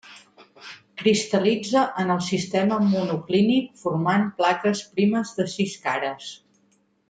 Cristal·litza en el sistema monoclínic formant plaques primes de sis cares.